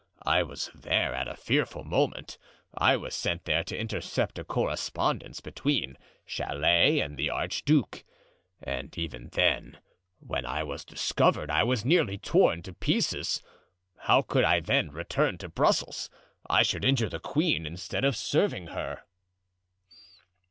I was there at a fearful moment. I was sent there to intercept a correspondence between Chalais and the archduke, and even then, when I was discovered I was nearly torn to pieces. How could I, then, return to Brussels? I should injure the queen instead of serving her."